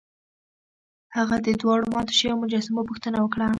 هغه د دواړو ماتو شویو مجسمو پوښتنه وکړه.